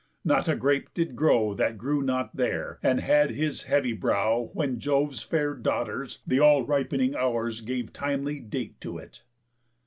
Not a grape did grow That grew not there, and had his heavy brow When Jove's fair daughters, the all ripening Hours, Gave timely date to it."